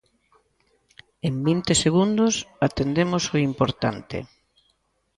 En vinte segundos atendemos o importante.